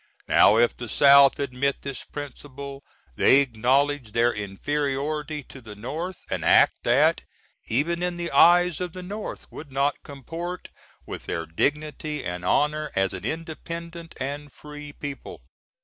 Now if the South admit this principle they acknowledge their inferiority to the North an act that, even in the eyes of the North, would not comport with their dignity & honor as an independent & free people.